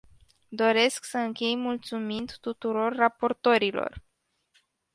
Doresc să închei mulțumind tuturor raportorilor.